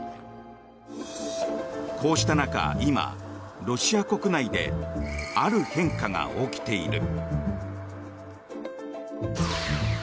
こうした中、今、ロシア国内である変化が起きている。